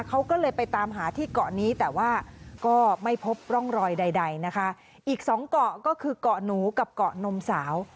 เขาก็เลยไปตามหาที่เกาะนี้แต่ว่าก็ไม่พบร่องรอยใดใดนะคะอีกสองเกาะก็คือเกาะหนูกับเกาะนมสาว